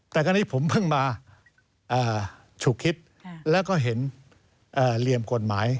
แต่คราวนี้ผมเพิ่งมาฉุกคิดแล้วก็เห็นเหลี่ยมกฎหมาย